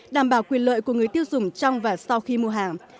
đảm bảo quyền lợi của người tiêu dùng trong và sau khi mua hàng